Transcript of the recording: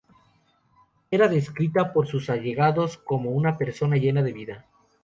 Era descrita por sus más allegados como una persona llena de vida.